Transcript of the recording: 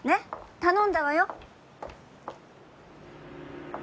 頼んだわよ。